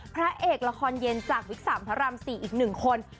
พระเอกละครเย็นจากวิศามทรรมศรีอีกหนึ่งคน